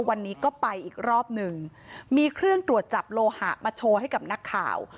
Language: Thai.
วันนี้ก็ไปอีกรอบหนึ่งมีเครื่องตรวจจับโลหะมาโชว์ให้กับนักข่าว